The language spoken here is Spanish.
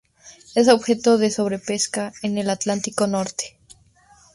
Es objeto de sobrepesca en el Atlántico norte.